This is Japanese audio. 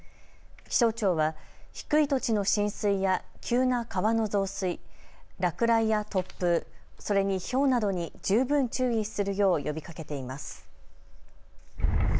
気象庁は低い土地の浸水や急な川の増水、落雷や突風、それにひょうなどに十分注意するよう呼びかけています。